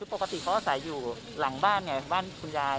ปกติเขาอาศัยอยู่หลังบ้านไงบ้านคุณยาย